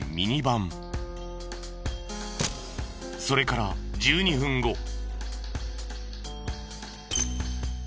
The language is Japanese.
それから１２分後。